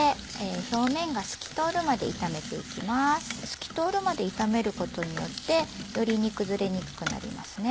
透き通るまで炒めることによってより煮崩れにくくなりますね。